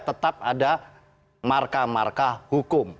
tetap ada markah markah hukum